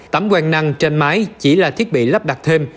tấm quang năng trên máy chỉ là thiết bị lắp đặt thêm